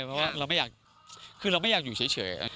เพราะว่าเราไม่อยากคือเราไม่อยากอยู่เฉย